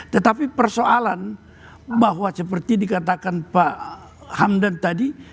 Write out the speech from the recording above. tetapi persoalan bahwa seperti dikatakan pak hamdan tadi